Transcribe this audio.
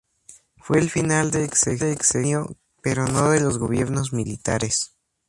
Fue el final del sexenio, pero no de los gobiernos militares.